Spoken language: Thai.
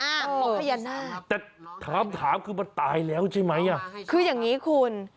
ของพญานาคแต่ถามถามคือมันตายแล้วใช่ไหมอ่ะคืออย่างงี้คุณ